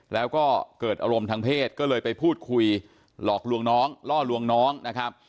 แล้วก็เกิดอารมณ์ทางเพศก็เลยไปพูดคุยหลอกลวงน้องล่อลวงน้องนะครับ